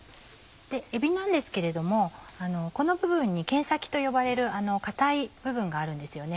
えびなんですけれどもこの部分に剣先と呼ばれる硬い部分があるんですよね